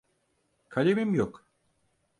Kalemim yok.